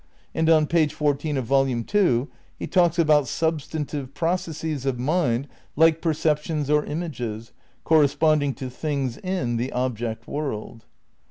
And on page fourteen of Volume Two he talks about " substantivje processes of mind like perceptions or images ... corresponding to things in the object world."